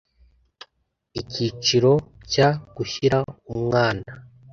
icyiciro cya gushyira umwana